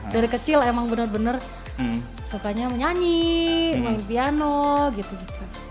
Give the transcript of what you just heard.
dari kecil emang bener bener sukanya menyanyi main piano gitu gitu